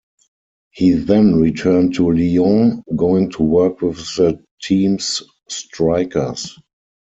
He then returned to Lyon, going on work with the team's strikers.